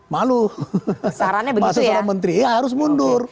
masa seorang menteri harus mundur